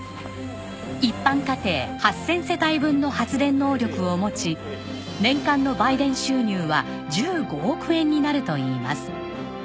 一般家庭８０００世帯分の発電能力を持ち年間の売電収入は１５億円になるといいます。